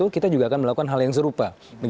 kita juga akan melakukan hal yang serupa